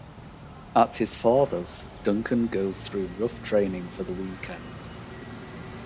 At his father's, Duncan goes through rough training for the weekend.